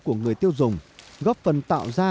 của người tiêu dùng góp phần tạo ra